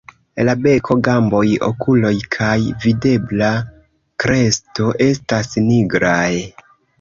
La beko, gamboj, okuloj kaj videbla kresto estas nigraj.